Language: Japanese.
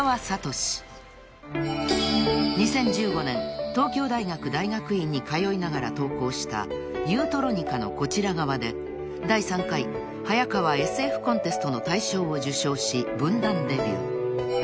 ［２０１５年東京大学大学院に通いながら投稿した『ユートロニカのこちら側』で第３回ハヤカワＳＦコンテストの大賞を受賞し文壇デビュー］